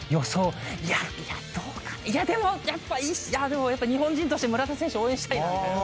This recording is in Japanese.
でもやっぱ日本人として村田選手応援したいなみたいな。